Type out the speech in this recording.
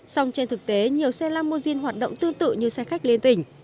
xong trên thực tế nhiều xe lamujin hoạt động tương tự như xe khách lên tỉnh